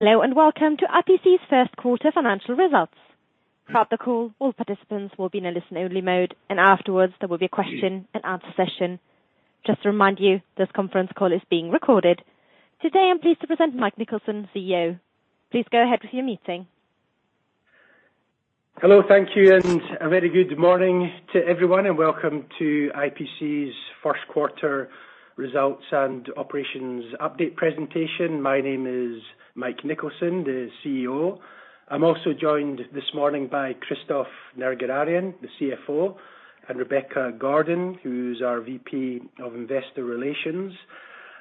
Hello, and welcome to IPC's first quarter financial results. Throughout the call, all participants will be in a listen-only mode, and afterwards, there will be a question-and-answer session. Just to remind you, this conference call is being recorded. Today, I'm pleased to present Mike Nicholson, CEO. Please go ahead with your meeting. Hello. Thank you, and a very good morning to everyone, and welcome to IPC's first quarter results and operations update presentation. My name is Mike Nicholson, the CEO. I'm also joined this morning by Christophe Nerguararian, the CFO, and Rebecca Gordon, who's our VP of Investor Relations.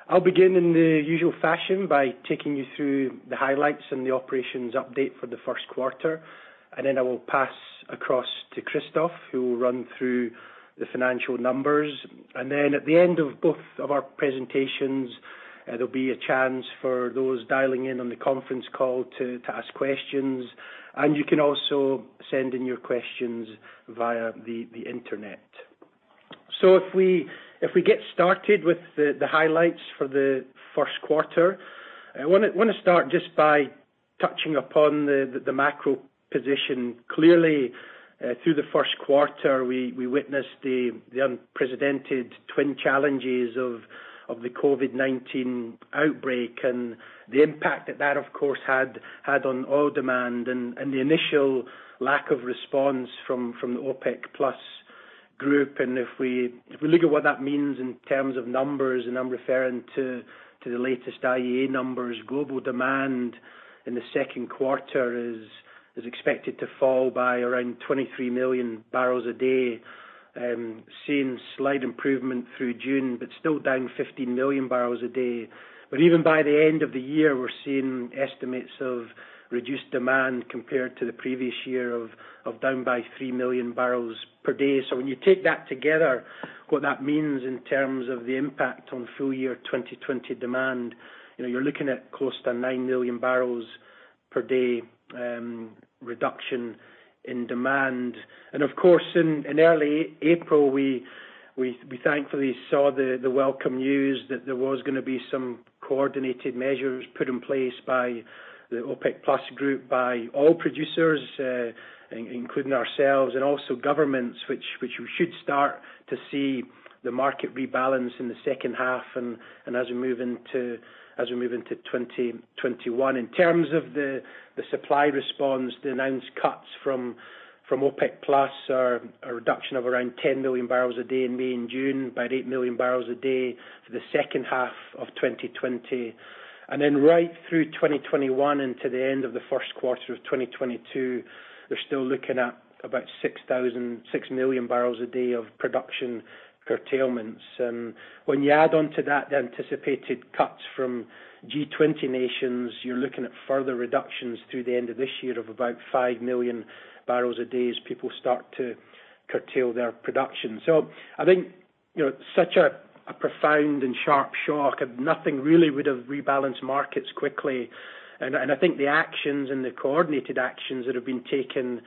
I'll begin in the usual fashion by taking you through the highlights and the operations update for the first quarter, and then I will pass across to Christophe, who will run through the financial numbers. And then, at the end of both of our presentations, there'll be a chance for those dialing in on the conference call to ask questions, and you can also send in your questions via the internet. So if we get started with the highlights for the first quarter, I want to start just by touching upon the macro position. Clearly through the first quarter, we witnessed the unprecedented twin challenges of the COVID-19 outbreak and the impact that that, of course, had on oil demand and the initial lack of response from the OPEC+ group. And if we look at what that means in terms of numbers, and I'm referring to the latest IEA numbers, global demand in the second quarter is expected to fall by around 23 million barrels a day, seeing slight improvement through June, but still down 15 million barrels a day. But even by the end of the year, we're seeing estimates of reduced demand compared to the previous year of down by 3 million barrels per day. So when you take that together, what that means in terms of the impact on full-year 2020 demand, you're looking at close to 9 million barrels per day reduction in demand. Of course, in early April, we thankfully saw the welcome news that there was going to be some coordinated measures put in place by the OPEC+ group by all producers, including ourselves, and also governments, which we should start to see the market rebalance in the second half and as we move into 2021. In terms of the supply response, the announced cuts from OPEC+ are a reduction of around 10 million barrels a day in May and June, by 8 million barrels a day for the second half of 2020. Then right through 2021 and to the end of the first quarter of 2022, they're still looking at about 6 million barrels a day of production curtailments. And when you add on to that the anticipated cuts from G20 nations, you're looking at further reductions through the end of this year of about five million barrels a day as people start to curtail their production. So I think such a profound and sharp shock, nothing really would have rebalanced markets quickly. And I think the actions and the coordinated actions that have been taken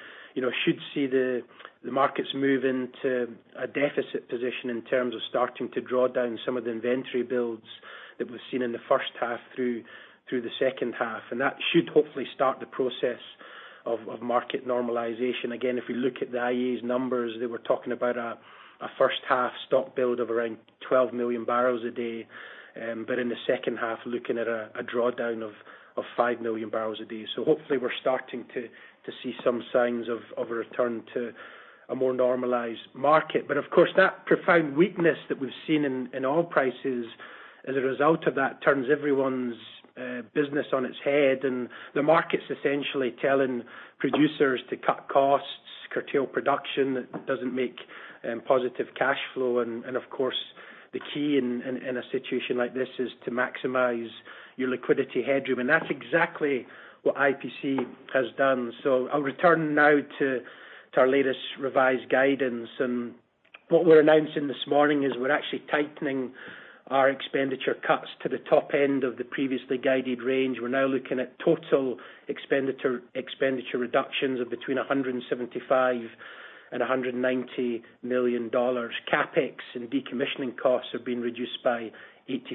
should see the markets move into a deficit position in terms of starting to draw down some of the inventory builds that we've seen in the first half through the second half. And that should hopefully start the process of market normalization. Again, if we look at the IEA's numbers, they were talking about a first half stock build of around 12 million barrels a day, but in the second half, looking at a drawdown of five million barrels a day. So hopefully, we're starting to see some signs of a return to a more normalized market. But of course, that profound weakness that we've seen in oil prices as a result of that turns everyone's business on its head, and the market's essentially telling producers to cut costs, curtail production that doesn't make positive cash flow. And of course, the key in a situation like this is to maximize your liquidity headroom, and that's exactly what IPC has done. So I'll return now to our latest revised guidance. And what we're announcing this morning is we're actually tightening our expenditure cuts to the top end of the previously guided range. We're now looking at total expenditure reductions of between $175 and $190 million. CapEx and decommissioning costs have been reduced by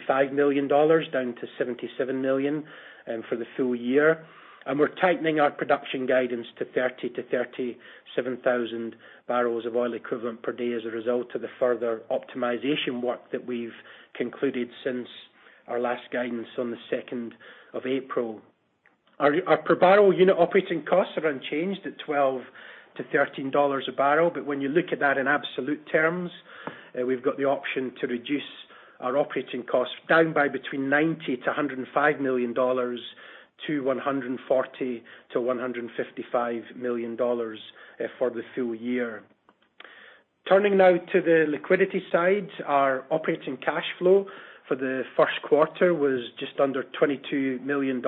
$85 million, down to $77 million for the full year. And we're tightening our production guidance to 30,000-37,000 barrels of oil equivalent per day as a result of the further optimization work that we've concluded since our last guidance on the 2nd of April. Our per barrel unit operating costs are unchanged at $12-$13 a barrel, but when you look at that in absolute terms, we've got the option to reduce our operating costs down by between $90 million-$105 million to $140 million-$155 million for the full year. Turning now to the liquidity side, our operating cash flow for the first quarter was just under $22 million.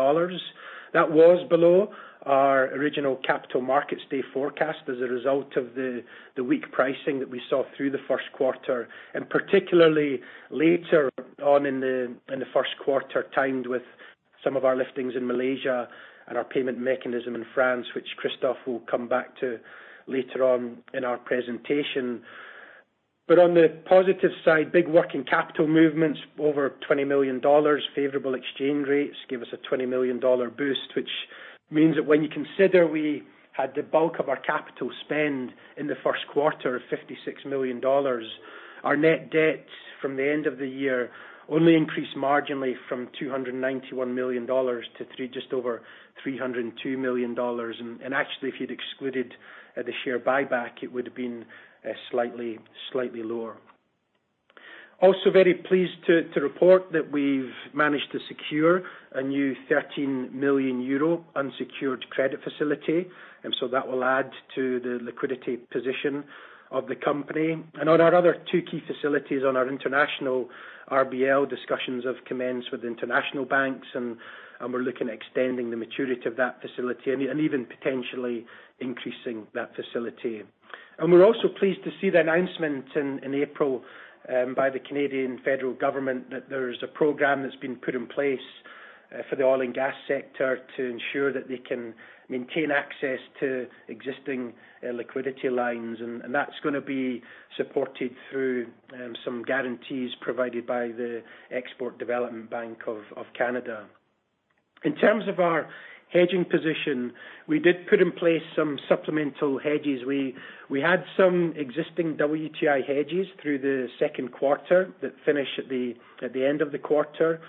That was below our original capital markets day forecast as a result of the weak pricing that we saw through the first quarter, and particularly later on in the first quarter, timed with some of our liftings in Malaysia and our payment mechanism in France, which Christophe will come back to later on in our presentation. But on the positive side, big working capital movements over $20 million, favorable exchange rates gave us a $20 million boost, which means that when you consider we had the bulk of our capital spend in the first quarter of $56 million, our net debt from the end of the year only increased marginally from $291 million to just over $302 million. And actually, if you'd excluded the share buyback, it would have been slightly lower. Also, very pleased to report that we've managed to secure a new 13 million euro unsecured credit facility, and so that will add to the liquidity position of the company. And on our other two key facilities on our international RBL discussions have commenced with international banks, and we're looking at extending the maturity of that facility and even potentially increasing that facility. And we're also pleased to see the announcement in April by the Canadian federal government that there's a program that's been put in place for the oil and gas sector to ensure that they can maintain access to existing liquidity lines, and that's going to be supported through some guarantees provided by the Export Development Canada. In terms of our hedging position, we did put in place some supplemental hedges. We had some existing WTI hedges through the second quarter that finished at the end of the quarter.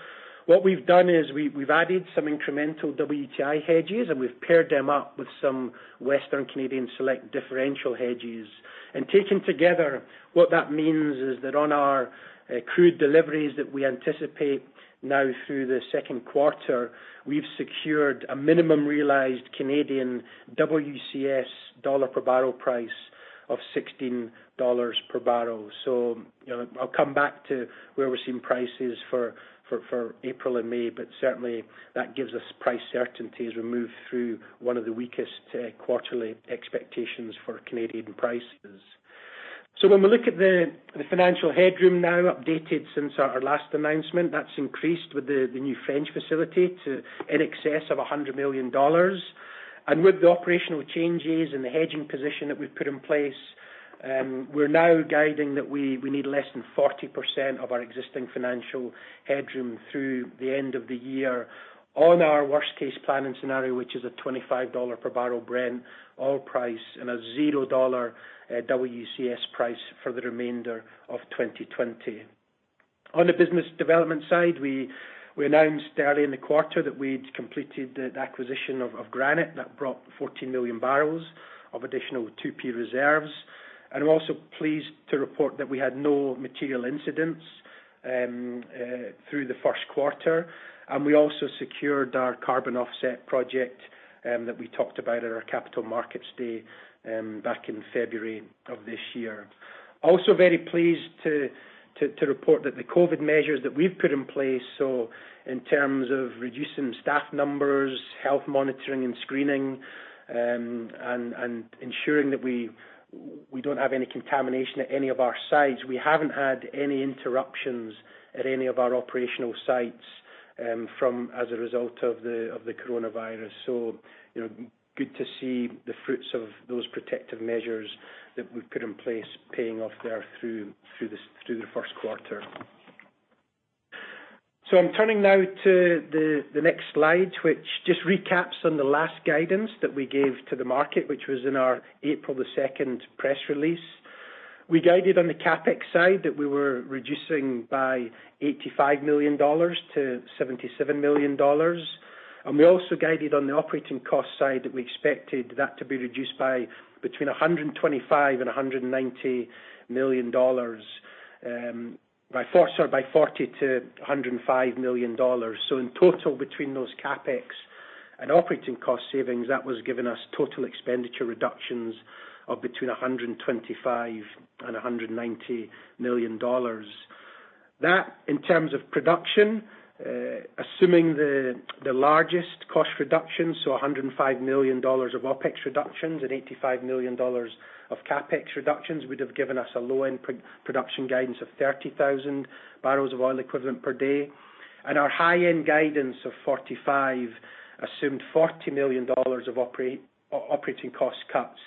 What we've done is we've added some incremental WTI hedges, and we've paired them up with some Western Canadian Select differential hedges. And taken together, what that means is that on our crude deliveries that we anticipate now through the second quarter, we've secured a minimum realized Canadian WCS dollar per barrel price of $16 per barrel. So I'll come back to where we're seeing prices for April and May, but certainly, that gives us price certainty as we move through one of the weakest quarterly expectations for Canadian prices. So when we look at the financial headroom now updated since our last announcement, that's increased with the new French facility to in excess of $100 million. With the operational changes and the hedging position that we've put in place, we're now guiding that we need less than 40% of our existing financial headroom through the end of the year on our worst-case planning scenario, which is a $25 per barrel Brent oil price and a $0 WCS price for the remainder of 2020. On the business development side, we announced early in the quarter that we'd completed the acquisition of Granite that brought 14 million barrels of additional 2P reserves. I'm also pleased to report that we had no material incidents through the first quarter, and we also secured our carbon offset project that we talked about at our capital markets day back in February of this year. Also very pleased to report that the COVID measures that we've put in place, so in terms of reducing staff numbers, health monitoring and screening, and ensuring that we don't have any contamination at any of our sites, we haven't had any interruptions at any of our operational sites as a result of the coronavirus. So good to see the fruits of those protective measures that we've put in place paying off there through the first quarter. So I'm turning now to the next slide, which just recaps on the last guidance that we gave to the market, which was in our April 2nd press release. We guided on the CapEx side that we were reducing by $85 million to $77 million, and we also guided on the operating cost side that we expected that to be reduced by between $125 and $190 million, by $40 million-$105 million. So in total, between those CapEx and operating cost savings, that was giving us total expenditure reductions of between $125 and $190 million. That, in terms of production, assuming the largest cost reductions, so $105 million of OpEx reductions and $85 million of CapEx reductions, would have given us a low-end production guidance of 30,000 barrels of oil equivalent per day. And our high-end guidance of $45 assumed $40 million of operating cost cuts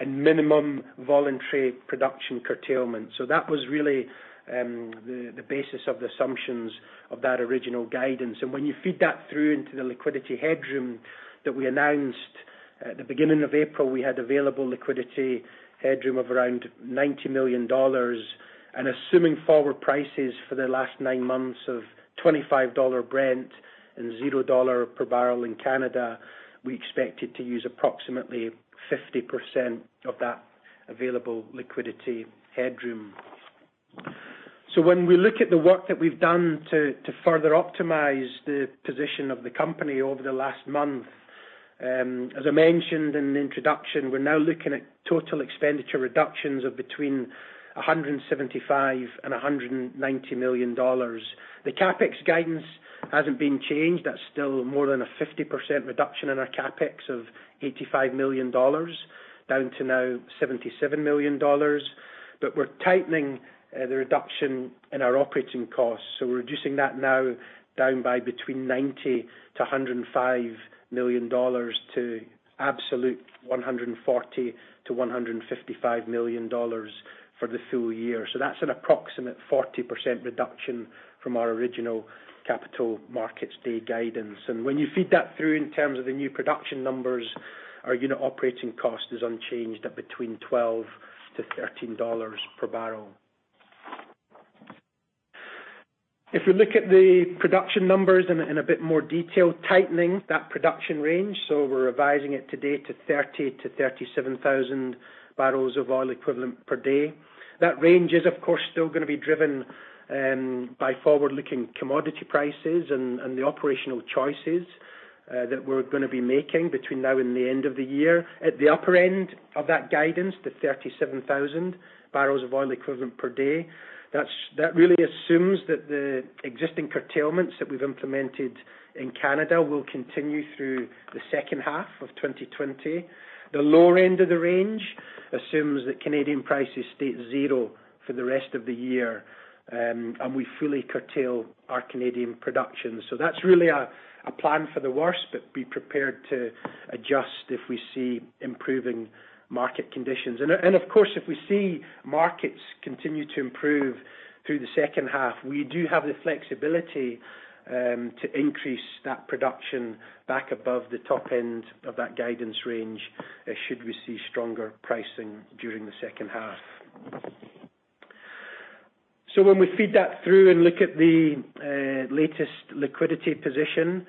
and minimum voluntary production curtailment. So that was really the basis of the assumptions of that original guidance. And when you feed that through into the liquidity headroom that we announced at the beginning of April, we had available liquidity headroom of around $90 million. And assuming forward prices for the last nine months of $25 Brent and $0 per barrel in Canada, we expected to use approximately 50% of that available liquidity headroom. When we look at the work that we've done to further optimize the position of the company over the last month, as I mentioned in the introduction, we're now looking at total expenditure reductions of between $175 million-$190 million. The CapEx guidance hasn't been changed. That's still more than a 50% reduction in our CapEx of $85 million, down to now $77 million. We're tightening the reduction in our operating costs. We're reducing that now down by between $90 million-$105 million to absolute $140 million-$155 million for the full year. That's an approximate 40% reduction from our original capital markets day guidance. When you feed that through in terms of the new production numbers, our unit operating cost is unchanged at between $12-$13 per barrel. If we look at the production numbers in a bit more detail, tightening that production range, so we're revising it today to 30,000-37,000 barrels of oil equivalent per day. That range is, of course, still going to be driven by forward-looking commodity prices and the operational choices that we're going to be making between now and the end of the year. At the upper end of that guidance, the 37,000 barrels of oil equivalent per day, that really assumes that the existing curtailments that we've implemented in Canada will continue through the second half of 2020. The lower end of the range assumes that Canadian prices stay at zero for the rest of the year, and we fully curtail our Canadian production. So that's really a plan for the worst, but be prepared to adjust if we see improving market conditions. Of course, if we see markets continue to improve through the second half, we do have the flexibility to increase that production back above the top end of that guidance range should we see stronger pricing during the second half. So when we feed that through and look at the latest liquidity position,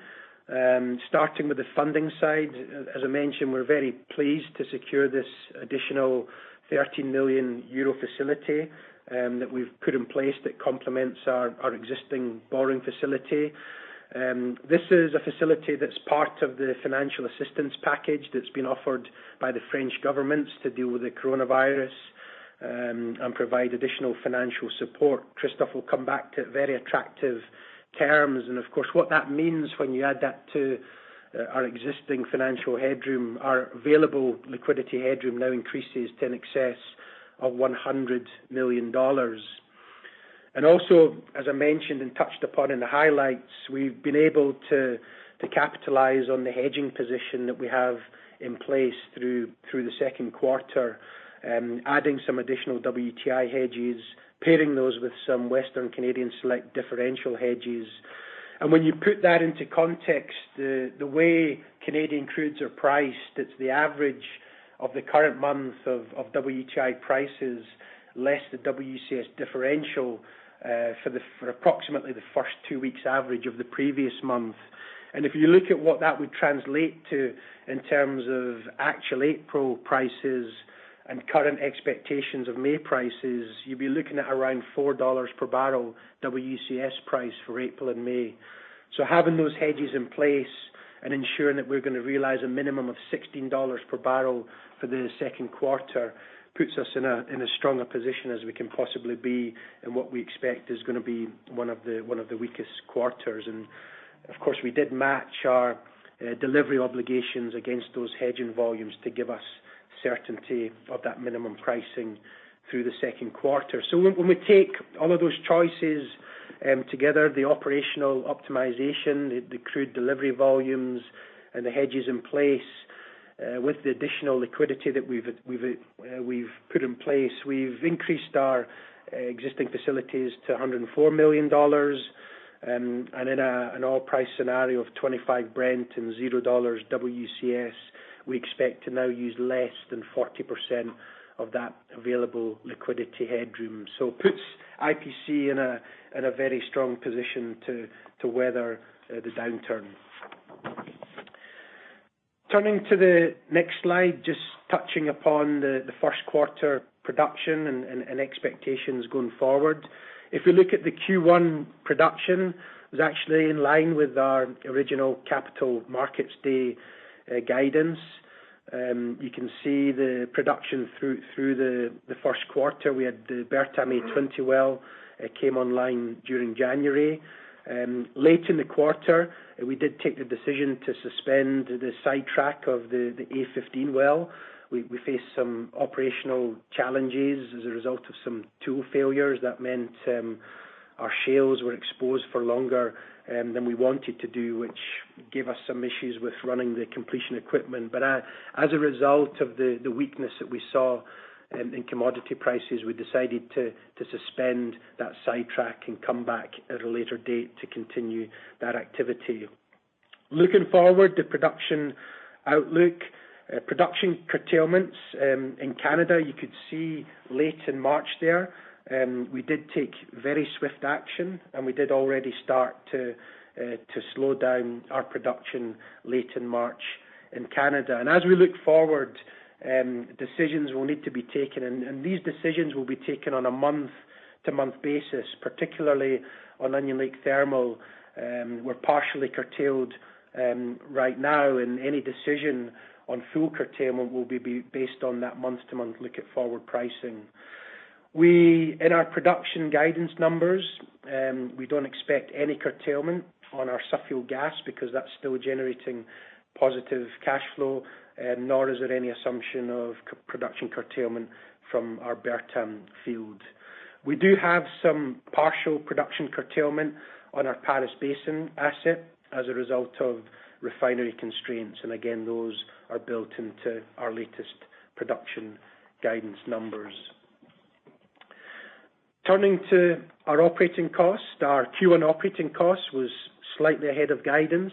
starting with the funding side, as I mentioned, we're very pleased to secure this additional 13 million euro facility that we've put in place that complements our existing borrowing facility. This is a facility that's part of the financial assistance package that's been offered by the French government to deal with the coronavirus and provide additional financial support. Christophe will come back to it very attractive terms. Of course, what that means when you add that to our existing financial headroom, our available liquidity headroom now increases to in excess of $100 million. Also, as I mentioned and touched upon in the highlights, we've been able to capitalize on the hedging position that we have in place through the second quarter, adding some additional WTI hedges, pairing those with some Western Canadian Select differential hedges. When you put that into context, the way Canadian crudes are priced, it's the average of the current month of WTI prices less the WCS differential for approximately the first two weeks' average of the previous month. If you look at what that would translate to in terms of actual April prices and current expectations of May prices, you'd be looking at around $4 per barrel WCS price for April and May. So having those hedges in place and ensuring that we're going to realize a minimum of $16 per barrel for the second quarter puts us in as strong a position as we can possibly be in what we expect is going to be one of the weakest quarters. And of course, we did match our delivery obligations against those hedging volumes to give us certainty of that minimum pricing through the second quarter. So when we take all of those choices together, the operational optimization, the crude delivery volumes, and the hedges in place with the additional liquidity that we've put in place, we've increased our existing facilities to $104 million. And in an oil price scenario of $25 Brent and $0 WCS, we expect to now use less than 40% of that available liquidity headroom. So it puts IPC in a very strong position to weather the downturn. Turning to the next slide, just touching upon the first quarter production and expectations going forward. If we look at the Q1 production, it was actually in line with our original capital markets day guidance. You can see the production through the first quarter. We had the Bertam A20 well. It came online during January. Late in the quarter, we did take the decision to suspend the sidetrack of the A15 well. We faced some operational challenges as a result of some tool failures. That meant our shales were exposed for longer than we wanted to do, which gave us some issues with running the completion equipment. But as a result of the weakness that we saw in commodity prices, we decided to suspend that sidetrack and come back at a later date to continue that activity. Looking forward to production outlook, production curtailments in Canada, you could see late in March there. We did take very swift action, and we did already start to slow down our production late in March in Canada. And as we look forward, decisions will need to be taken, and these decisions will be taken on a month-to-month basis, particularly on Onion Lake Thermal. We're partially curtailed right now, and any decision on full curtailment will be based on that month-to-month look at forward pricing. In our production guidance numbers, we don't expect any curtailment on our Suffield gas because that's still generating positive cash flow, nor is there any assumption of production curtailment from our Bertam field. We do have some partial production curtailment on our Paris Basin asset as a result of refinery constraints. And again, those are built into our latest production guidance numbers. Turning to our operating costs, our Q1 operating cost was slightly ahead of guidance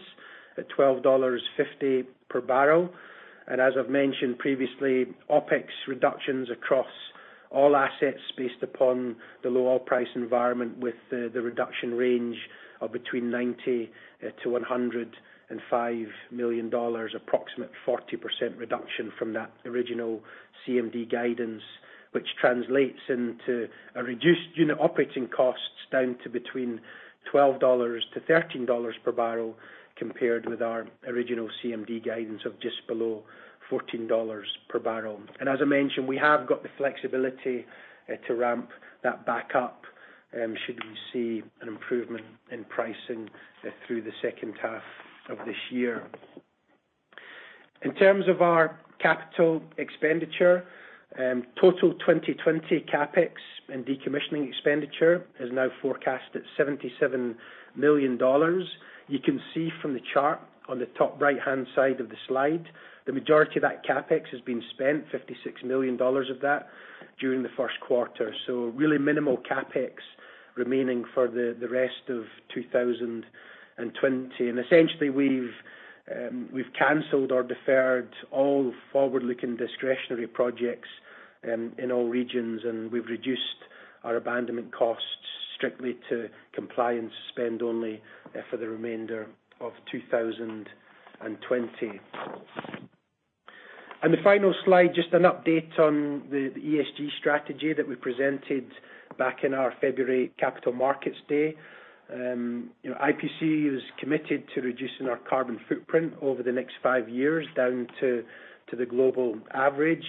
at $12.50 per barrel. And as I've mentioned previously, OpEx reductions across all assets based upon the low oil price environment with the reduction range of between $90 million-$105 million, approximately 40% reduction from that original CMD guidance, which translates into reduced unit operating costs down to between $12-$13 per barrel compared with our original CMD guidance of just below $14 per barrel. And as I mentioned, we have got the flexibility to ramp that back up should we see an improvement in pricing through the second half of this year. In terms of our capital expenditure, total 2020 CapEx and decommissioning expenditure is now forecast at $77 million. You can see from the chart on the top right-hand side of the slide, the majority of that CapEx has been spent, $56 million of that, during the first quarter, so really minimal CapEx remaining for the rest of 2020, and essentially, we've cancelled or deferred all forward-looking discretionary projects in all regions, and we've reduced our abandonment costs strictly to compliance spend only for the remainder of 2020, and the final slide, just an update on the ESG strategy that we presented back in our February capital markets day. IPC is committed to reducing our carbon footprint over the next five years down to the global average.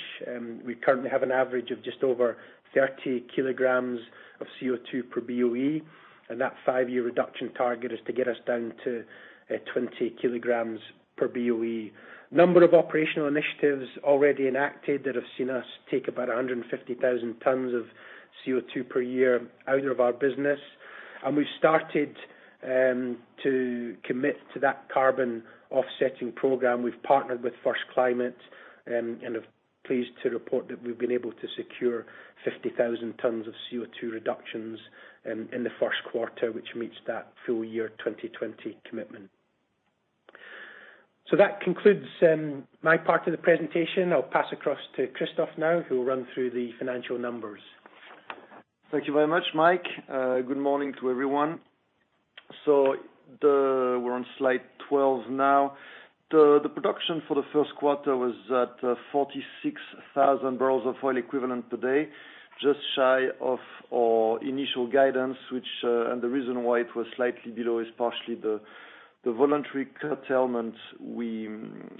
We currently have an average of just over 30 kg of CO2 per BOE, and that five-year reduction target is to get us down to 20 kg per BOE. number of operational initiatives already enacted that have seen us take about 150,000 tons of CO2 per year out of our business. We've started to commit to that carbon offsetting program. We've partnered with First Climate and are pleased to report that we've been able to secure 50,000 tons of CO2 reductions in the first quarter, which meets that full year 2020 commitment. That concludes my part of the presentation. I'll pass across to Christophe now, who will run through the financial numbers. Thank you very much, Mike. Good morning to everyone. We're on slide 12 now. The production for the first quarter was at 46,000 barrels of oil equivalent per day, just shy of our initial guidance, and the reason why it was slightly below is partially the voluntary curtailment we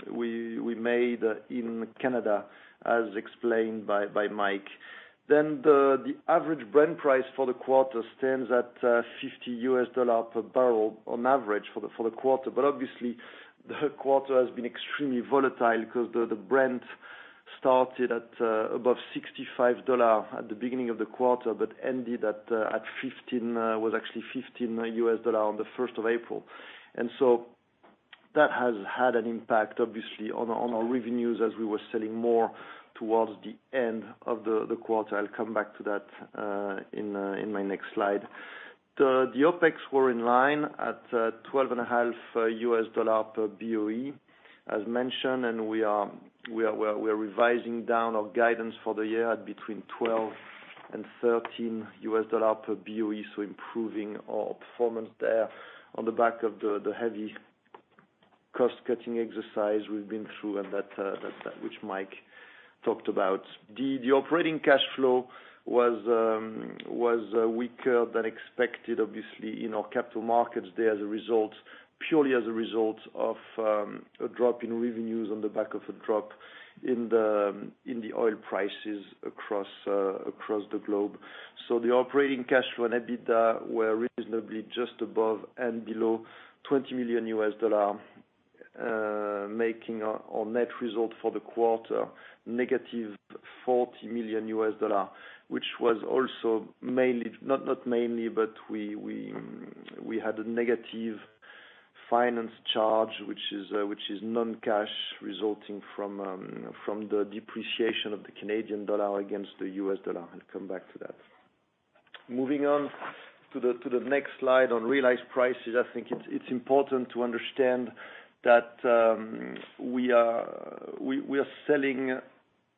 made in Canada, as explained by Mike. Then the average Brent price for the quarter stands at $50 per barrel on average for the quarter. But obviously, the quarter has been extremely volatile because the Brent started at above $65 at the beginning of the quarter, but ended at $15, was actually $15 on the 1st of April. And so that has had an impact, obviously, on our revenues as we were selling more towards the end of the quarter. I'll come back to that in my next slide. The OpEx were in line at $12.50 per BOE, as mentioned, and we are revising down our guidance for the year at between $12 and $13 per BOE, so improving our performance there on the back of the heavy cost-cutting exercise we've been through and that which Mike talked about. The operating cash flow was weaker than expected, obviously, in our capital markets day purely as a result of a drop in revenues on the back of a drop in the oil prices across the globe, so the operating cash flow and EBITDA were reasonably just above and below $20 million, making our net result for the quarter negative $40 million, which was also mainly, not mainly, but we had a negative finance charge, which is non-cash resulting from the depreciation of the Canadian dollar against the U.S. dollar. I'll come back to that. Moving on to the next slide on realized prices, I think it's important to understand that we are selling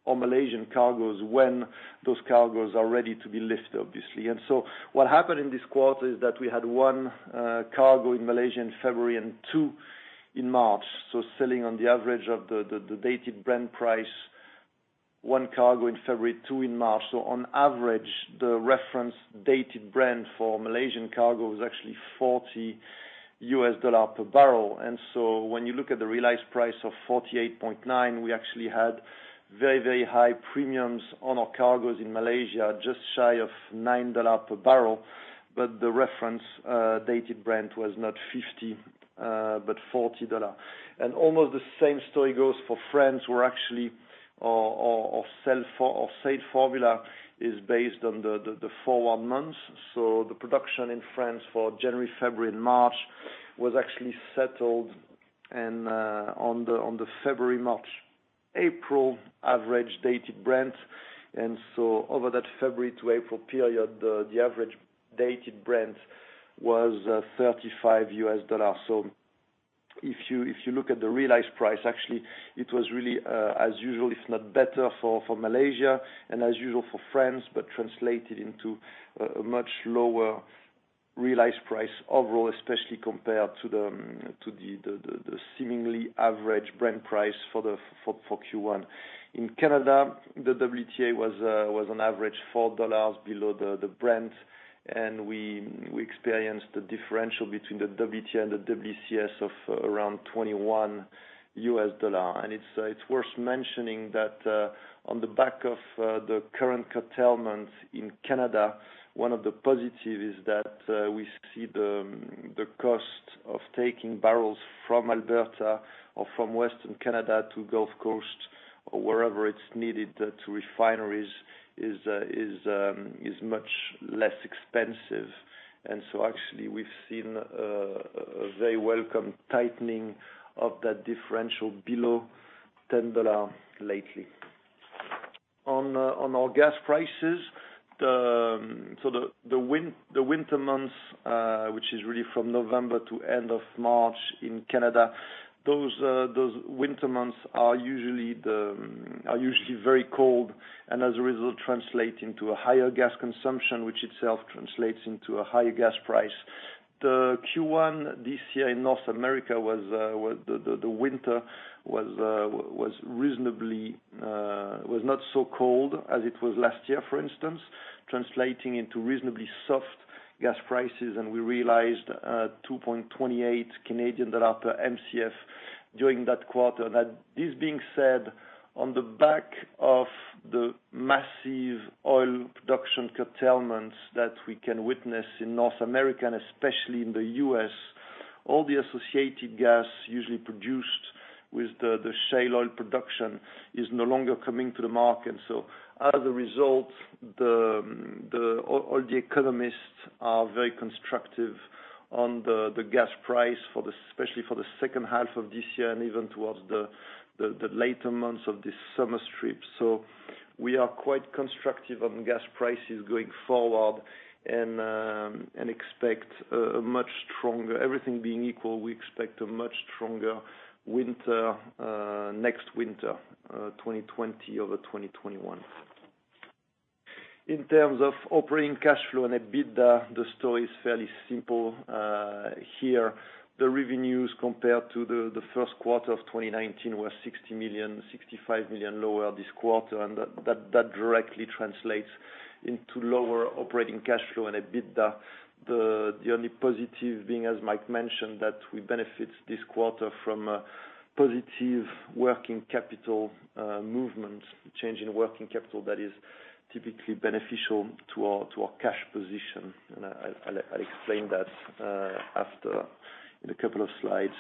our Malaysian cargoes when those cargoes are ready to be lifted, obviously, and so what happened in this quarter is that we had one cargo in Malaysia in February and two in March. So, selling on the average of the Dated Brent price, one cargo in February, two in March. So on average, the reference Dated Brent for Malaysian cargo was actually $40 per barrel. And so when you look at the realized price of $48.90, we actually had very, very high premiums on our cargoes in Malaysia, just shy of $9 per barrel. But the reference Dated Brent was not $50 but $40. And almost the same story goes for France, where actually our sale formula is based on the forward months. So the production in France for January, February, and March was actually settled on the February, March, April average Dated Brent. And so over that February to April period, the average Dated Brent was $35. So if you look at the realized price, actually, it was really, as usual, if not better for Malaysia and as usual for France, but translated into a much lower realized price overall, especially compared to the seemingly average Brent price for Q1. In Canada, the WTI was on average $4 below the Brent, and we experienced the differential between the WTI and the WCS of around $21. And it's worth mentioning that on the back of the current curtailment in Canada, one of the positives is that we see the cost of taking barrels from Alberta or from Western Canada to Gulf Coast or wherever it's needed to refineries is much less expensive. And so actually, we've seen a very welcome tightening of that differential below $10 lately. On our gas prices, so the winter months, which is really from November to end of March in Canada, those winter months are usually very cold and as a result translate into a higher gas consumption, which itself translates into a higher gas price. The Q1 this year in North America was reasonably not so cold as it was last year, for instance, translating into reasonably soft gas prices. And we realized 2.28 Canadian dollar per MCF during that quarter. That this being said, on the back of the massive oil production curtailments that we can witness in North America, and especially in the U.S., all the associated gas usually produced with the shale oil production is no longer coming to the market. So as a result, all the economists are very constructive on the gas price, especially for the second half of this year and even towards the later months of this summer strip. So we are quite constructive on gas prices going forward and expect a much stronger everything being equal, we expect a much stronger winter next winter, 2020 over 2021. In terms of operating cash flow and EBITDA, the story is fairly simple here. The revenues compared to the first quarter of 2019 were $60 million-$65 million lower this quarter, and that directly translates into lower operating cash flow and EBITDA. The only positive being, as Mike mentioned, that we benefit this quarter from positive working capital movement, change in working capital that is typically beneficial to our cash position. And I'll explain that after in a couple of slides.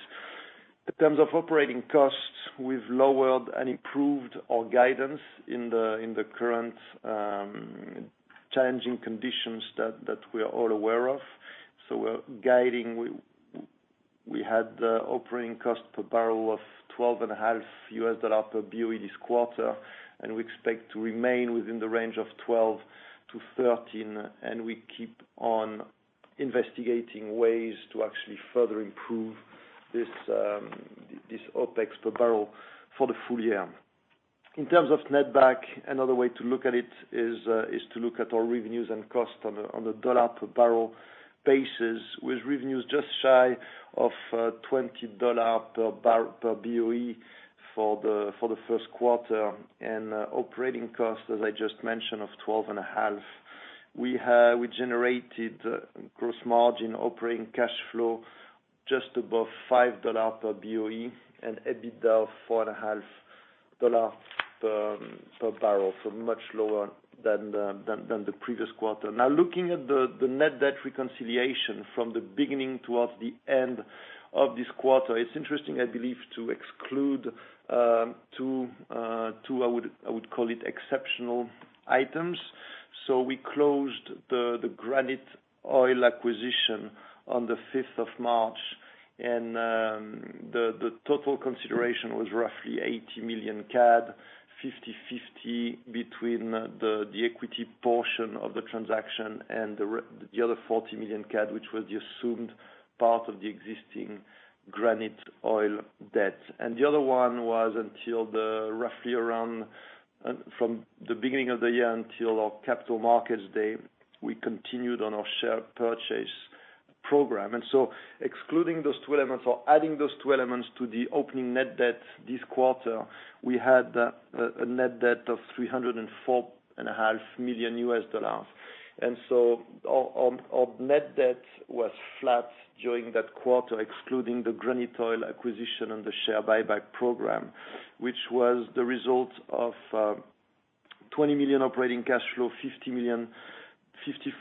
In terms of operating costs, we've lowered and improved our guidance in the current challenging conditions that we are all aware of. We're guiding we had the operating cost per barrel of $12.50 per BOE this quarter, and we expect to remain within the range of $12-$13. We keep on investigating ways to actually further improve this OpEx per barrel for the full year. In terms of netback, another way to look at it is to look at our revenues and costs on the dollar per barrel basis, with revenues just shy of $20 per BOE for the first quarter and operating costs, as I just mentioned, of $12.50. We generated gross margin operating cash flow just above $5 per BOE and EBITDA of $4.50 per barrel, so much lower than the previous quarter. Now, looking at the net debt reconciliation from the beginning towards the end of this quarter, it's interesting, I believe, to exclude two, I would call it exceptional items. So we closed the Granite Oil acquisition on the 5th of March, and the total consideration was roughly 80 million CAD, 50/50 between the equity portion of the transaction and the other 40 million CAD, which was the assumed part of the existing Granite Oil debt. And the other one was until roughly around from the beginning of the year until our capital markets day, we continued on our share purchase program. And so excluding those two elements or adding those two elements to the opening net debt this quarter, we had a net debt of $304.5 million U.S. dollars. And so our net debt was flat during that quarter, excluding the Granite Oil acquisition and the share buyback program, which was the result of $20 million operating cash flow,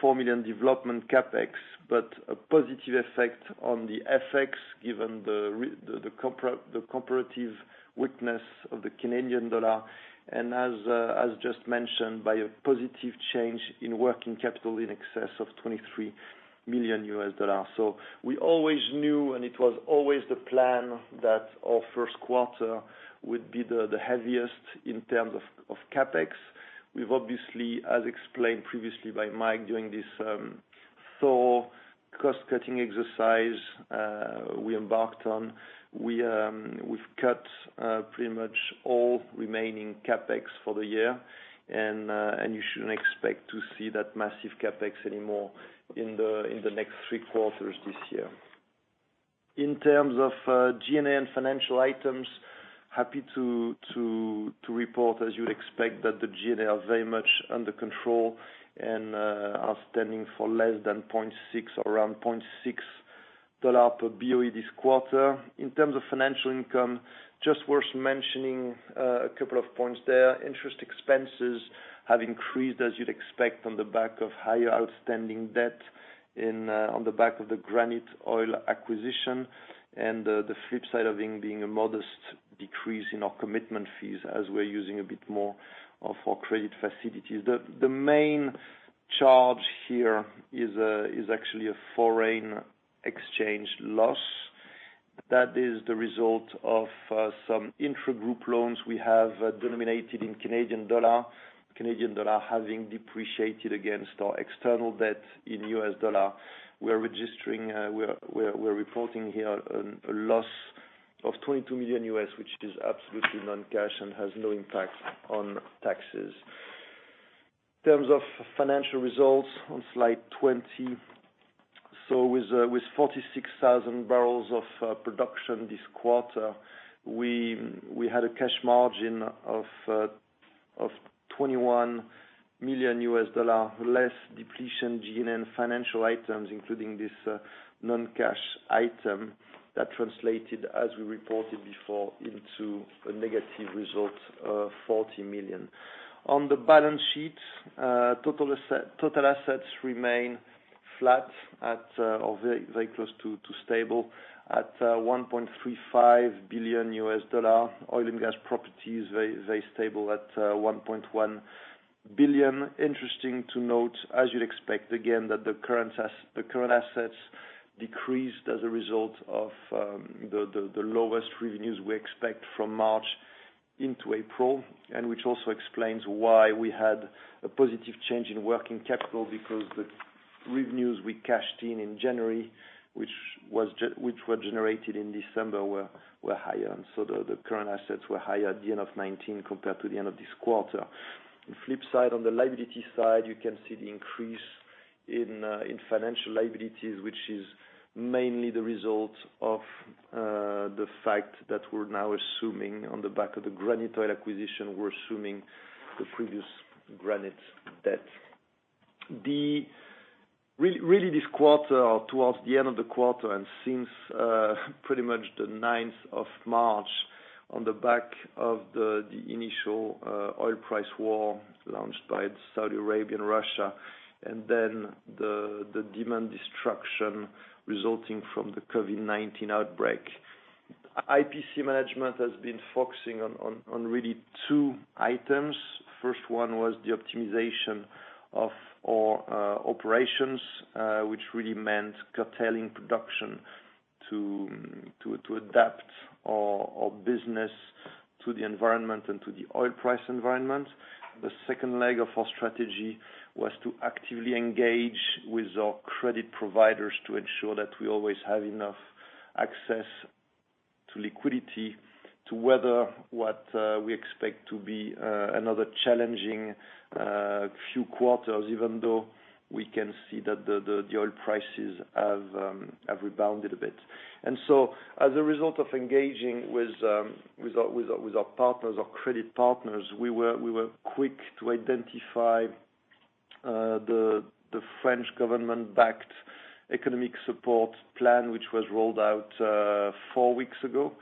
$54 million development CapEx, but a positive effect on the FX given the comparative weakness of the Canadian dollar and, as just mentioned, by a positive change in working capital in excess of $23 million. So we always knew, and it was always the plan, that our first quarter would be the heaviest in terms of CapEx. We've obviously, as explained previously by Mike during this thorough cost-cutting exercise we embarked on, we've cut pretty much all remaining CapEx for the year, and you shouldn't expect to see that massive CapEx anymore in the next three quarters this year. In terms of G&A and financial items, happy to report, as you'd expect, that the G&A are very much under control and are standing for less than $0.6, around $0.6 per BOE this quarter. In terms of financial income, just worth mentioning a couple of points there. Interest expenses have increased, as you'd expect, on the back of higher outstanding debt on the back of the Granite Oil acquisition and the flip side of being a modest decrease in our commitment fees as we're using a bit more of our credit facilities. The main charge here is actually a foreign exchange loss that is the result of some intra-group loans we have denominated in Canadian dollar, Canadian dollar having depreciated against our external debt in U.S. dollar. We're reporting here a loss of $22 million, which is absolutely non-cash and has no impact on taxes. In terms of financial results on slide 20, so with 46,000 barrels of production this quarter, we had a cash margin of $21 million less depletion G&A and financial items, including this non-cash item that translated, as we reported before, into a negative result of $40 million. On the balance sheet, total assets remain flat or very close to stable at $1.35 billion. Oil and gas properties very stable at $1.1 billion. Interesting to note, as you'd expect, again, that the current assets decreased as a result of the lowest revenues we expect from March into April, and which also explains why we had a positive change in working capital because the revenues we cashed in in January, which were generated in December, were higher, and so the current assets were higher at the end of 2019 compared to the end of this quarter. Flip side on the liability side, you can see the increase in financial liabilities, which is mainly the result of the fact that we're now assuming on the back of the Granite Oil acquisition, we're assuming the previous Granite debt. Really, this quarter or towards the end of the quarter and since pretty much the 9th of March on the back of the initial oil price war launched by Saudi Arabia and Russia and then the demand destruction resulting from the COVID-19 outbreak, IPC management has been focusing on really two items. First one was the optimization of our operations, which really meant curtailing production to adapt our business to the environment and to the oil price environment. The second leg of our strategy was to actively engage with our credit providers to ensure that we always have enough access to liquidity to weather what we expect to be another challenging few quarters, even though we can see that the oil prices have rebounded a bit. And so as a result of engaging with our partners, our credit partners, we were quick to identify the French government-backed economic support plan, which was rolled out four weeks ago,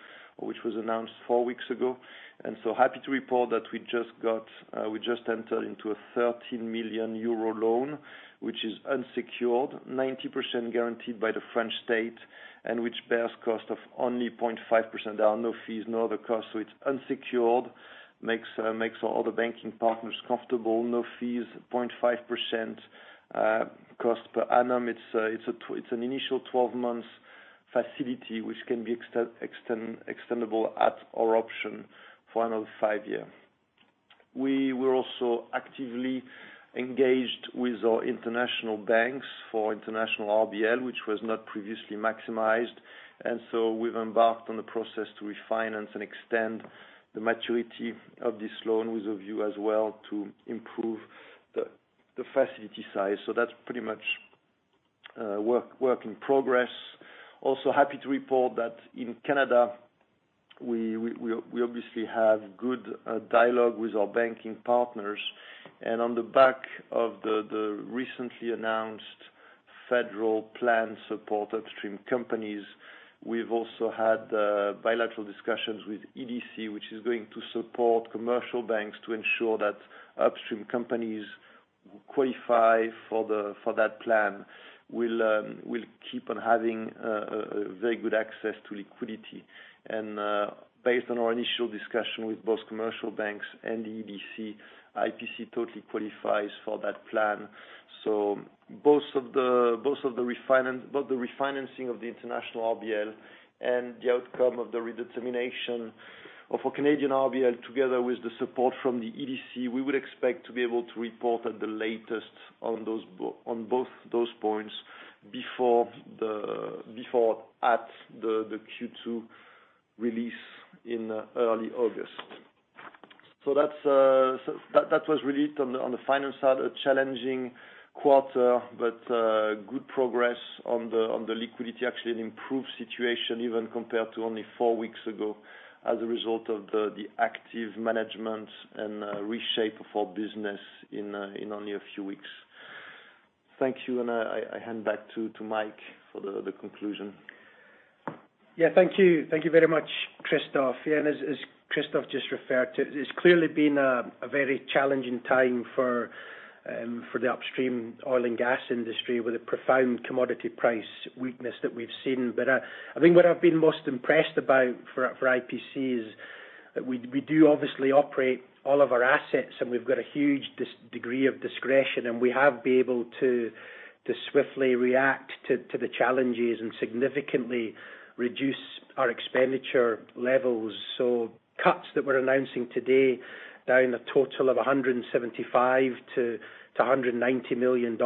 which was announced four weeks ago. And so happy to report that we just entered into a €13 million loan, which is unsecured, 90% guaranteed by the French state and which bears cost of only 0.5%. There are no fees, no other costs. So it's unsecured, makes all the banking partners comfortable, no fees, 0.5% cost per annum. It's an initial 12-month facility, which can be extendable at our option for another five years. We were also actively engaged with our international banks for international RBL, which was not previously maximized, and so we've embarked on the process to refinance and extend the maturity of this loan with a view as well to improve the facility size, so that's pretty much work in progress. Also happy to report that in Canada, we obviously have good dialogue with our banking partners, and on the back of the recently announced federal plan support upstream companies, we've also had bilateral discussions with EDC, which is going to support commercial banks to ensure that upstream companies qualify for that plan. We'll keep on having very good access to liquidity, and based on our initial discussion with both commercial banks and the EDC, IPC totally qualifies for that plan. So, both of the refinancing of the international RBL and the outcome of the redetermination of our Canadian RBL, together with the support from the EDC, we would expect to be able to report, at the latest, on both those points before the Q2 release in early August. So, that was really, on the finance side, a challenging quarter, but good progress on the liquidity. Actually, an improved situation even compared to only four weeks ago as a result of the active management and reshape of our business in only a few weeks. Thank you. And I hand back to Mike for the conclusion. Yeah, thank you. Thank you very much, Christophe. And as Christophe just referred to, it's clearly been a very challenging time for the upstream oil and gas industry with a profound commodity price weakness that we've seen. But I think what I've been most impressed about for IPC is that we do obviously operate all of our assets and we've got a huge degree of discretion and we have been able to swiftly react to the challenges and significantly reduce our expenditure levels. So cuts that we're announcing today down a total of $175 million-$190 million.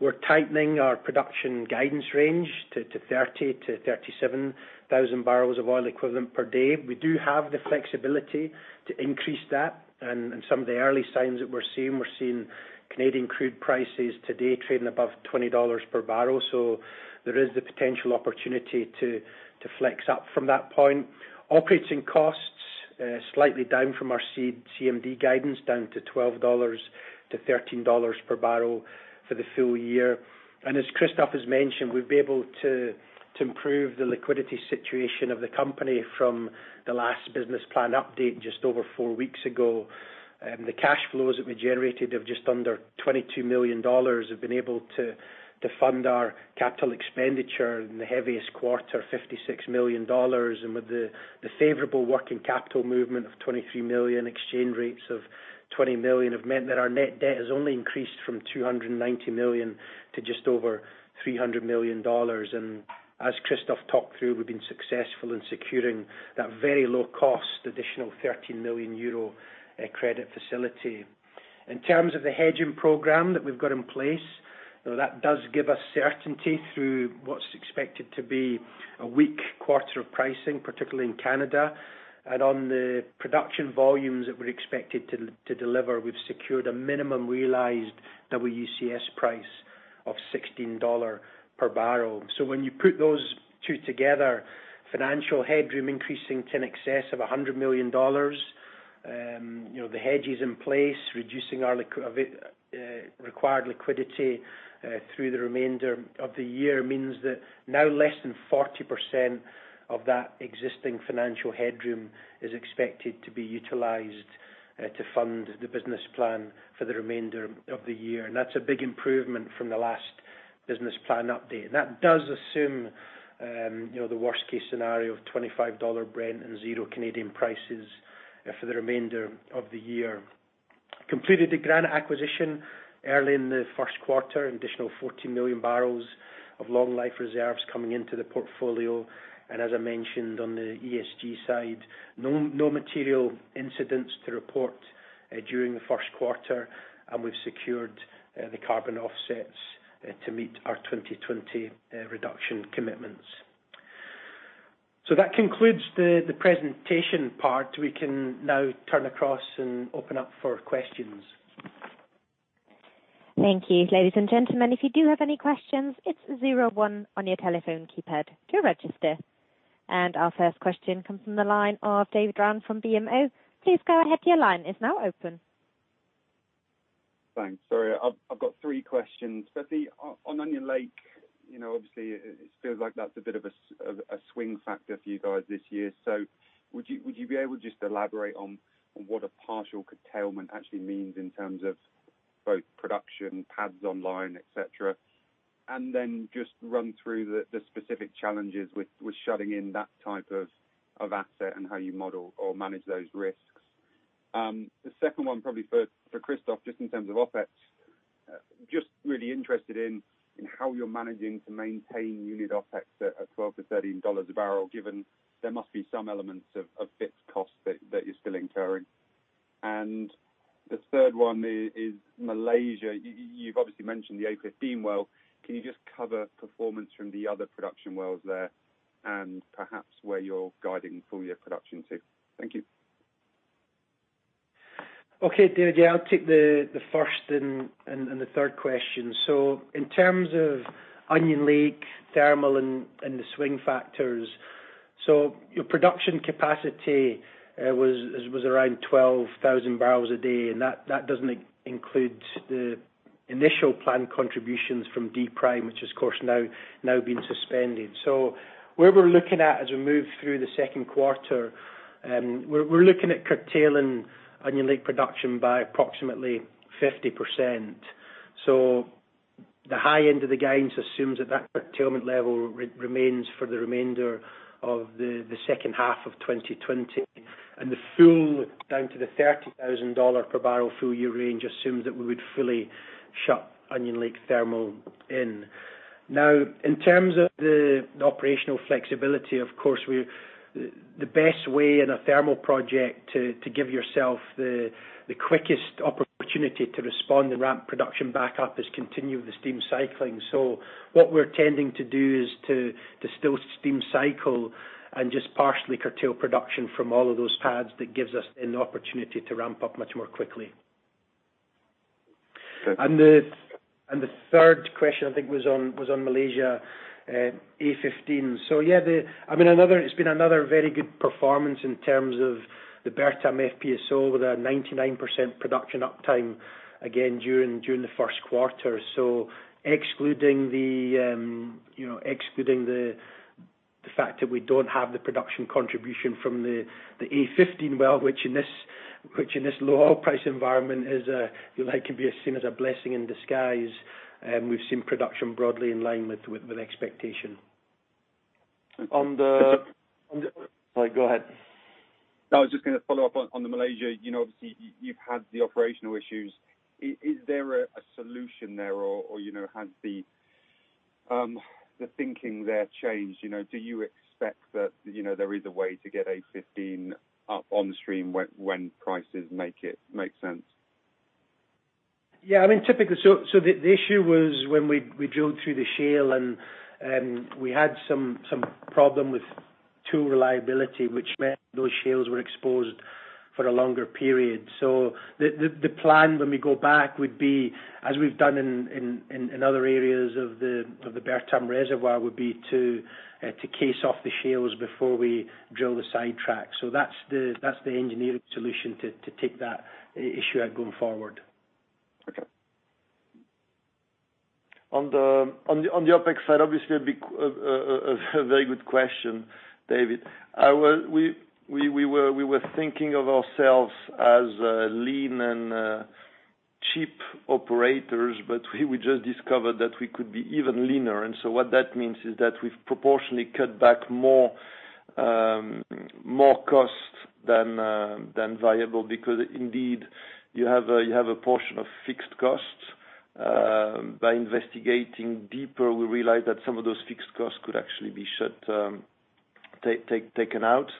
We're tightening our production guidance range to 30,000-37,000 barrels of oil equivalent per day. We do have the flexibility to increase that. And some of the early signs that we're seeing, we're seeing Canadian crude prices today trading above $20 per barrel. So there is the potential opportunity to flex up from that point. Operating costs slightly down from our CMD guidance down to $12-$13 per barrel for the full year. And as Christophe has mentioned, we've been able to improve the liquidity situation of the company from the last business plan update just over four weeks ago. The cash flows that we generated of just under $22 million have been able to fund our capital expenditure in the heaviest quarter, $56 million. And with the favorable working capital movement of $23 million, exchange rates of $20 million, have meant that our net debt has only increased from $290 million to just over $300 million. And as Christophe talked through, we've been successful in securing that very low-cost additional €13 million credit facility. In terms of the hedging program that we've got in place, that does give us certainty through what's expected to be a weak quarter of pricing, particularly in Canada. On the production volumes that we're expected to deliver, we've secured a minimum realized WCS price of $16 per barrel. When you put those two together, financial headroom increasing to an excess of $100 million, the hedges in place, reducing our required liquidity through the remainder of the year means that now less than 40% of that existing financial headroom is expected to be utilized to fund the business plan for the remainder of the year. That's a big improvement from the last business plan update. That does assume the worst-case scenario of $25 Brent and zero Canadian prices for the remainder of the year. Completed a Granite acquisition early in the first quarter, an additional $14 million of long-life reserves coming into the portfolio. As I mentioned on the ESG side, no material incidents to report during the first quarter. We've secured the carbon offsets to meet our 2020 reduction commitments. That concludes the presentation part. We can now turn across and open up for questions. Thank you, ladies and gentlemen. If you do have any questions, it's zero one on your telephone keypad to register. Our first question comes from the line of Dave Brown from BMO. Please go ahead. Your line is now open. Thanks. Sorry, I've got three questions. On Onion Lake, obviously, it feels like that's a bit of a swing factor for you guys this year. So would you be able to just elaborate on what a partial curtailment actually means in terms of both production, pads online, etc., and then just run through the specific challenges with shutting in that type of asset and how you model or manage those risks? The second one, probably for Christophe, just in terms of OpEx, just really interested in how you're managing to maintain unit OpEx at $12-$13 a barrel, given there must be some elements of fixed costs that you're still incurring. And the third one is Malaysia. You've obviously mentioned the A15 well. Can you just cover performance from the other production wells there and perhaps where you're guiding full year production to? Thank you. Okay, David, yeah, I'll take the first and the third question. So in terms of Onion Lake Thermal and the swing factors, so your production capacity was around 12,000 barrels a day. And that doesn't include the initial planned contributions from D-Prime, which has of course now been suspended. So where we're looking at as we move through the second quarter, we're looking at curtailing Onion Lake production by approximately 50%. The high end of the guidance assumes that that curtailment level remains for the remainder of the second half of 2020. The low end down to the $30 per barrel full year range assumes that we would fully shut Onion Lake Thermal in. Now, in terms of the operational flexibility, of course, the best way in a thermal project to give yourself the quickest opportunity to respond and ramp production back up is to continue the steam cycling. What we're tending to do is to still steam cycle and just partially curtail production from all of those pads that gives us an opportunity to ramp up much more quickly. The third question, I think, was on Malaysia, A15. Yeah, I mean, it's been another very good performance in terms of the Bertam FPSO with a 99% production uptime again during the first quarter. So, excluding the fact that we don't have the production contribution from the A15 well, which in this low oil price environment can be seen as a blessing in disguise, we've seen production broadly in line with expectation. Sorry, go ahead. I was just going to follow up on the Malaysia. Obviously, you've had the operational issues. Is there a solution there or has the thinking there changed? Do you expect that there is a way to get A15 up on stream when prices make sense? Yeah, I mean, typically, so the issue was when we drilled through the shale and we had some problem with tool reliability, which meant those shales were exposed for a longer period. So the plan when we go back would be, as we've done in other areas of the Bertam reservoir, would be to case off the shales before we drill the sidetracks. So that's the engineering solution to take that issue out going forward. Okay. On the OpEx side, obviously, a very good question, David. We were thinking of ourselves as lean and cheap operators, but we just discovered that we could be even leaner. And so what that means is that we've proportionally cut back more cost than viable because indeed you have a portion of fixed costs. By investigating deeper, we realized that some of those fixed costs could actually be taken out.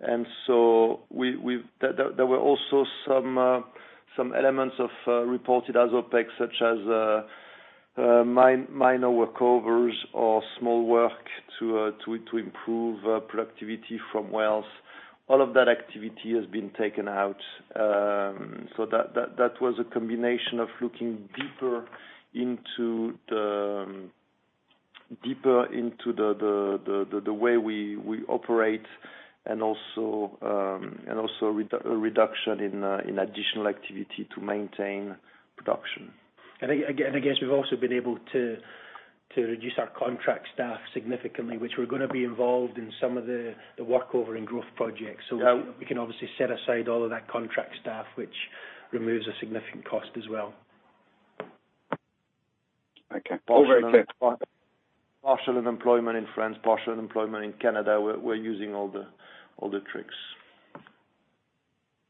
And so there were also some elements of reported as OpEx, such as minor workovers or small work to improve productivity from wells. All of that activity has been taken out. So that was a combination of looking deeper into the way we operate and also a reduction in additional activity to maintain production. And I guess we've also been able to reduce our contract staff significantly, which we're going to be involved in some of the workover and growth projects. So we can obviously set aside all of that contract staff, which removes a significant cost as well. Okay. Partial unemployment in France, partial unemployment in Canada. We're using all the tricks.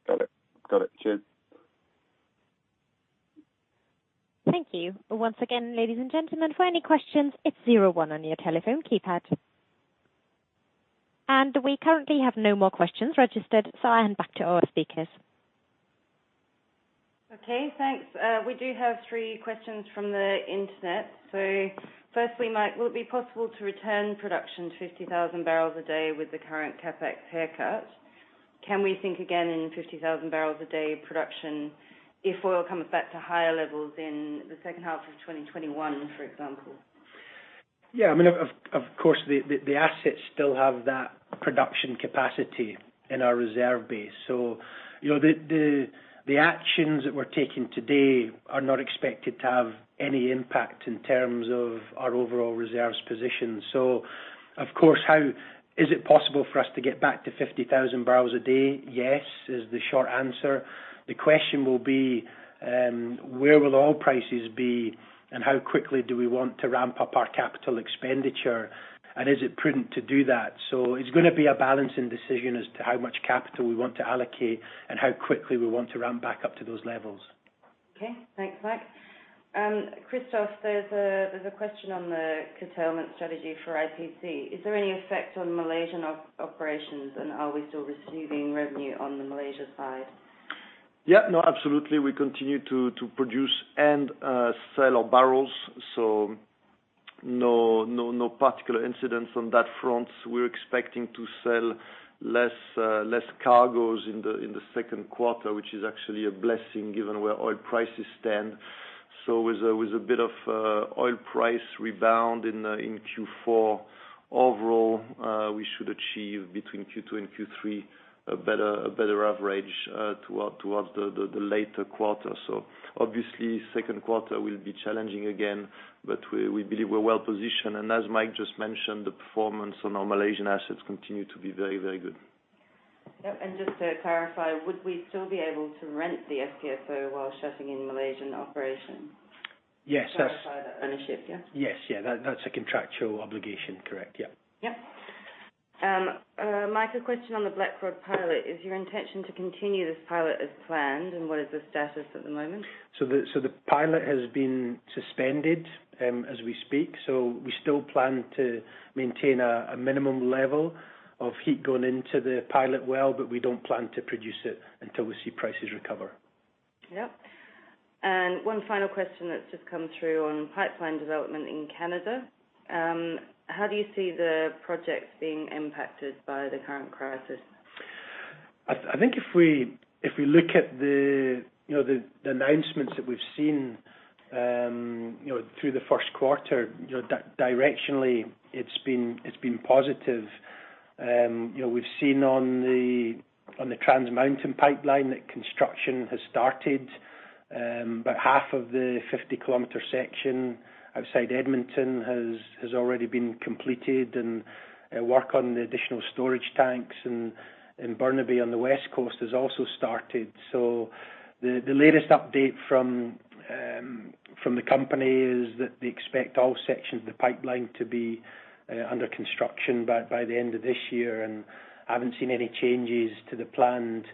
Got it. Got it. Cheers. Thank you. Once again, ladies and gentlemen, for any questions, it's zero one on your telephone keypad. And we currently have no more questions registered, so I'll hand back to our speakers. Okay, thanks. We do have three questions from the internet. So firstly, Mike, will it be possible to return production to 50,000 barrels a day with the current CapEx haircut? Can we think again in 50,000 barrels a day production if oil comes back to higher levels in the second half of 2021, for example? Yeah, I mean, of course, the assets still have that production capacity in our reserve base. So the actions that we're taking today are not expected to have any impact in terms of our overall reserves position. So of course, is it possible for us to get back to 50,000 barrels a day? Yes, is the short answer. The question will be, where will oil prices be and how quickly do we want to ramp up our capital expenditure? And is it prudent to do that? So it's going to be a balancing decision as to how much capital we want to allocate and how quickly we want to ramp back up to those levels. Okay, thanks, Mike. Christophe, there's a question on the curtailment strategy for IPC. Is there any effect on Malaysian operations and are we still receiving revenue on the Malaysia side? Yeah, no, absolutely. We continue to produce and sell our barrels, so no particular incidents on that front. We're expecting to sell less cargoes in the second quarter, which is actually a blessing given where oil prices stand, so with a bit of oil price rebound in Q4, overall, we should achieve between Q2 and Q3 a better average towards the later quarter, so obviously, second quarter will be challenging again, but we believe we're well positioned, and as Mike just mentioned, the performance on our Malaysian assets continues to be very, very good. And just to clarify, would we still be able to rent the FPSO while shutting in Malaysian operations? Yes. On a ship, yeah? Yes, yeah. That's a contractual obligation, correct. Yeah. Yep. Mike, a question on the Blackrod pilot. Is your intention to continue this pilot as planned and what is the status at the moment? So the pilot has been suspended as we speak. So we still plan to maintain a minimum level of heat going into the pilot well, but we don't plan to produce it until we see prices recover. Yep. And one final question that's just come through on pipeline development in Canada. How do you see the projects being impacted by the current crisis? I think if we look at the announcements that we've seen through the first quarter, directionally, it's been positive. We've seen on the Trans Mountain Pipeline that construction has started. About half of the 50 km section outside Edmonton has already been completed. And work on the additional storage tanks in Burnaby on the west coast has also started. So the latest update from the company is that they expect all sections of the pipeline to be under construction by the end of this year. I haven't seen any changes to the planned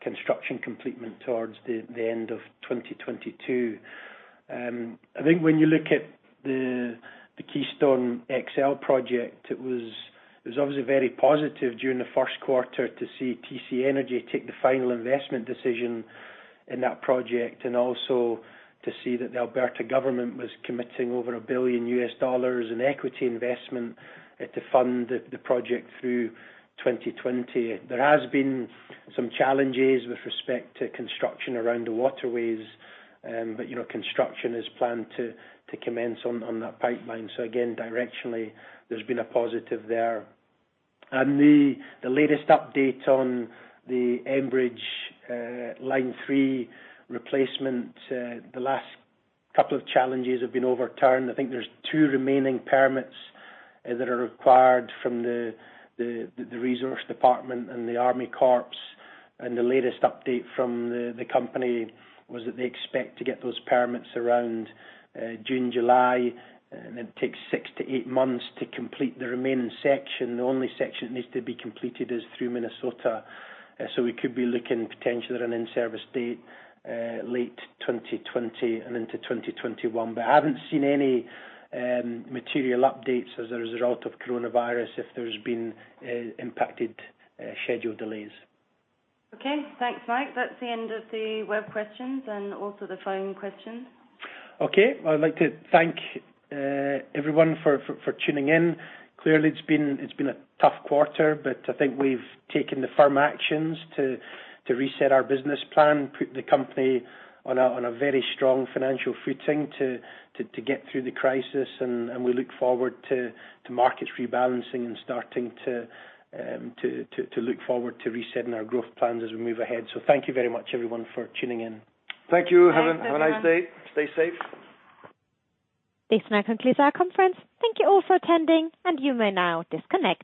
construction completion towards the end of 2022. I think when you look at the Keystone XL project, it was obviously very positive during the first quarter to see TC Energy take the final investment decision in that project and also to see that the Alberta government was committing over $1 billion in equity investment to fund the project through 2020. There has been some challenges with respect to construction around the waterways, but construction is planned to commence on that pipeline. So again, directionally, there's been a positive there. The latest update on the Enbridge Line 3 replacement, the last couple of challenges have been overturned. I think there's two remaining permits that are required from the Department of Natural Resources and the Army Corps of Engineers. And the latest update from the company was that they expect to get those permits around June, July. And it takes six to eight months to complete the remaining section. The only section that needs to be completed is through Minnesota. So we could be looking potentially at an in-service date late 2020 and into 2021. But I haven't seen any material updates as a result of coronavirus if there's been impacted schedule delays. Okay. Thanks, Mike. That's the end of the web questions and also the phone questions. Okay. I'd like to thank everyone for tuning in. Clearly, it's been a tough quarter, but I think we've taken the firm actions to reset our business plan, put the company on a very strong financial footing to get through the crisis. We look forward to markets rebalancing and starting to look forward to resetting our growth plans as we move ahead. Thank you very much, everyone, for tuning in. Thank you. Have a nice day. Stay safe. This now concludes our conference. Thank you all for attending, and you may now disconnect.